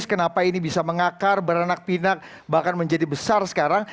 kenapa ini bisa mengakar beranak pinak bahkan menjadi besar sekarang